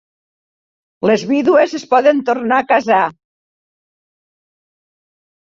Les vídues es poden tornar a casar.